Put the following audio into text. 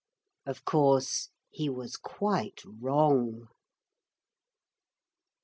Of course he was quite wrong.